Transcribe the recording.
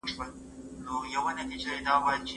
موټر چلونکي په خپلو سترګو کې د ستړیا نښې لرلې.